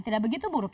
tidak begitu buruk